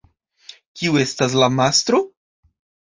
Kiu estas la mastro?